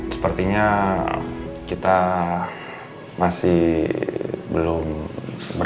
sebentar ya pak